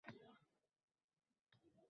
Veb -dizayner kerak